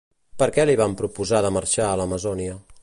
Per què li van proposar de marxar a l'Amazònia?